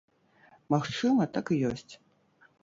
Магчыма, так і ёсць.